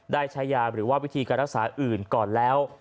ได้ใช้ยาหรือว่าวิธีการรักษาอื่นก่อนแล้ว